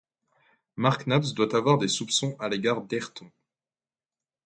Mac Nabbs doit avoir des soupçons à l’égard d’Ayrton.